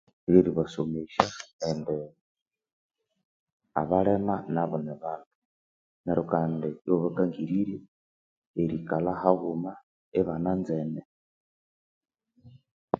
Eribasomesya indi abalema nabu nibandu neryo Kandi iwabakangirirya erikalha haghuma ibananzene